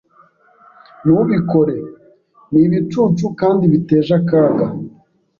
Ntubikore! Nibicucu kandi biteje akaga.